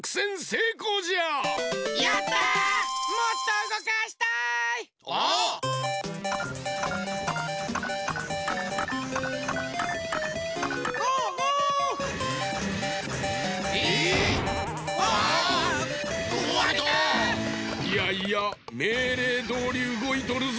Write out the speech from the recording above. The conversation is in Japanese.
いやいやめいれいどおりうごいとるぞ！